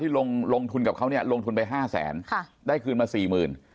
ที่ลงทุนกับเขาลงทุนไป๕แสนได้คืนมา๔๐๐๐๐บาท